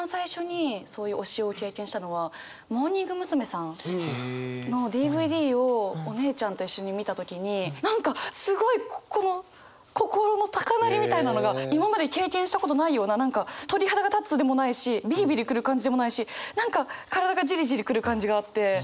さんのＤＶＤをお姉ちゃんと一緒に見た時に何かすごいこの心の高鳴りみたいなのが今まで経験したことないような何か鳥肌が立つでもないしビリビリ来る感じでもないし何か体がジリジリ来る感じがあって。